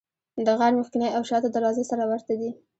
د غار مخکینۍ او شاته دروازه سره ورته دي.